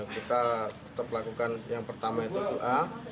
kita tetap lakukan yang pertama itu doa